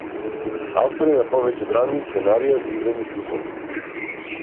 Автор е на повеќе драми и сценарија за играни филмови.